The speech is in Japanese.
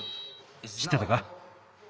しってたか？